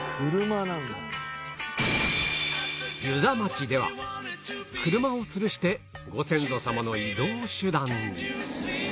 遊佐町では車をつるしてご先祖様の移動手段に